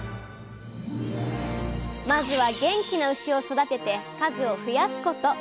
まずは元気な牛を育てて数を増やすこと！